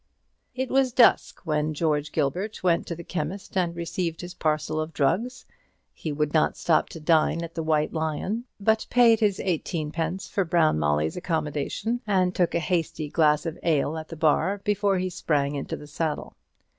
It was dusk when George Gilbert went to the chemist and received his parcels of drugs. He would not stop to dine at the White Lion, but paid his eighteenpence for Brown Molly's accommodation, and took a hasty glass of ale at the bar before he sprang into the saddle.